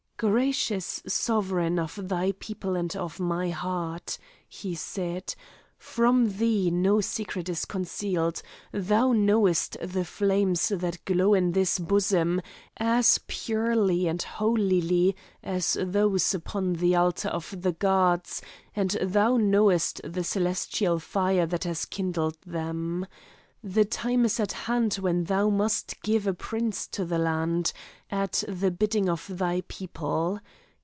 "Gracious sovereign of thy people and of my heart," he said, "from thee no secret is concealed, thou knowest the flames that glow in this bosom, as purely and holily as those upon the altar of the gods, and thou knowest the celestial fire that has kindled them. The time is at hand when thou must give a prince to the land, at the bidding of thy people.